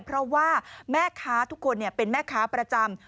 เพราะว่าแม่ค้าทุกคนเป็นแม่ค้าประจำ